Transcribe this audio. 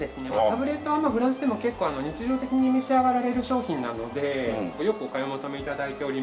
タブレットはフランスでも結構日常的に召し上がられる商品なのでよくお買い求め頂いております。